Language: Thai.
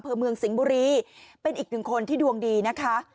เมืองสิงห์บุรีเป็นอีกหนึ่งคนที่ดวงดีนะคะ